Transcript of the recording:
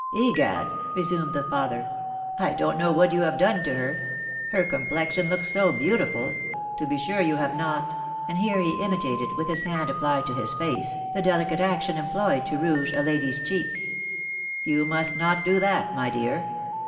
" Egad !" resumed the father, " I don't know what you have done to her ; her complexion looks so beautiful — to be sure you have not —" and here he imitated, with his hand applied to his face, the dehcate action employed to rouge a a lady's cheek. " You must not do that, my dear.